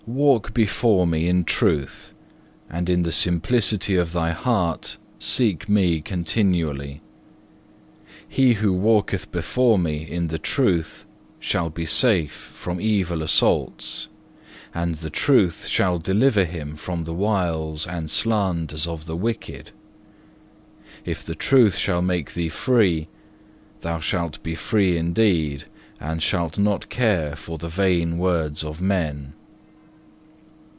walk before Me in truth, and in the simplicity of thy heart seek Me continually. He who walketh before Me in the truth shall be safe from evil assaults, and the truth shall deliver him from the wiles and slanders of the wicked. If the truth shall make thee free, thou shalt be free indeed, and shalt not care for the vain words of men."